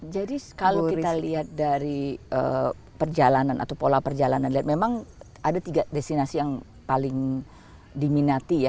jadi kalau kita lihat dari perjalanan atau pola perjalanan memang ada tiga destinasi yang paling diminati ya